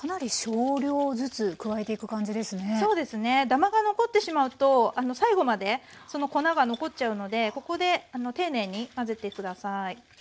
ダマが残ってしまうと最後までその粉が残っちゃうのでここで丁寧に混ぜて下さい。